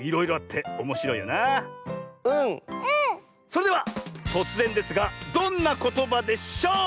それではとつぜんですが「どんなことばでしょう？」。